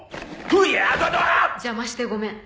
邪魔してごめん。